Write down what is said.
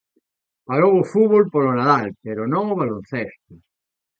Parou o fútbol polo Nadal, pero non o baloncesto.